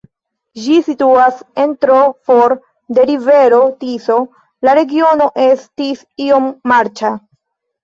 Ĝi situas ne tro for de rivero Tiso, la regiono estis iom marĉa.